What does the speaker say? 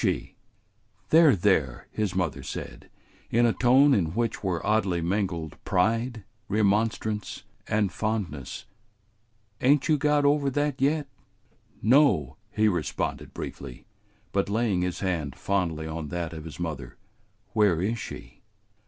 "There, there," his mother said, in a tone in which were oddly mingled pride, remonstrance, and fondness, "ain't you got over that yet?" "No," he responded briefly, but laying his hand fondly on that of his mother. "Where is she?"